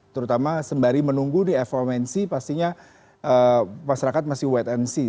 terutama sembari menunggu di fomc pastinya masyarakat masih wait and see